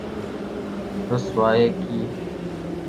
رسوائی کی‘‘۔